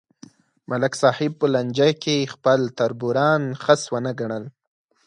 ملک صاحب په لانجه کې خپل تربوران خس ونه گڼل